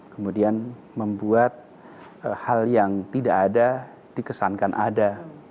kemudian membuat hal yang tidak ada dikesankan ada